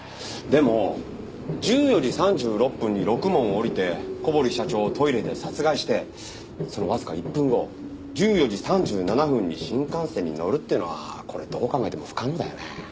でも１４時３６分にろくもんを降りて小堀社長をトイレで殺害してそのわずか１分後１４時３７分に新幹線に乗るっていうのはこれどう考えても不可能だよね。